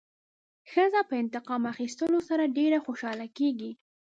ښځه په انتقام اخیستلو سره ډېره خوشحاله کېږي.